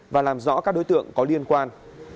và làm rõ các đối tượng có liên quan